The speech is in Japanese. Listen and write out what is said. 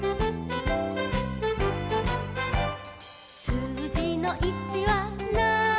「すうじの１はなーに」